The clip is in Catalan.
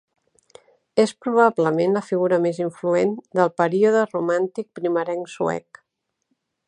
És probablement la figura més influent del període romàntic primerenc suec.